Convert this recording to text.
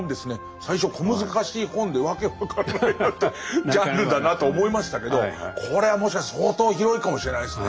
最初小難しい本で訳分からないジャンルだなと思いましたけどこれはもしかしたら相当広いかもしれないですね。